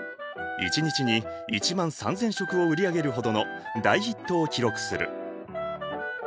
一日に１万３，０００食を売り上げるほどの大ヒットを記録する。